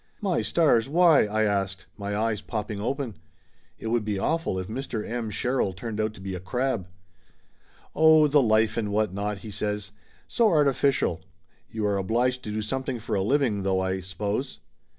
"My stars, why?" I asked, my eyes popping open. It would be awful if Mr. M. Sherrill turned out to be a crab ! "Oh, the life, and what not!" he says. "So arti ficial. You are obliged to do something for a living, though, I suppose